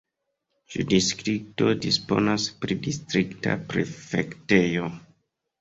Ĉiu distrikto disponas pri distrikta prefektejo.